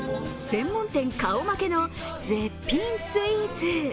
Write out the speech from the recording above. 専門店顔負けの絶品スイーツ。